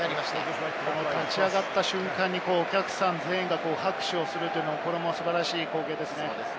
立ち上がった瞬間にお客さん全員が拍手をするというのも素晴らしい光景ですね。